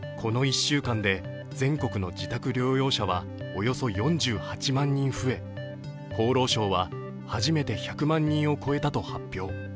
この１週間で全国の自宅療養者はおよそ４８万人増え、厚労省は初めて１００万人を超えたと発表。